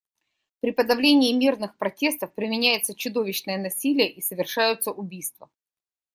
При подавлении мирных протестов применяется чудовищное насилие и совершаются убийства.